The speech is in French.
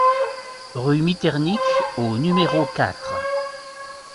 Rue Miternique au numéro quatre